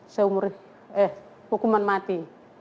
seumur eh hukuman mati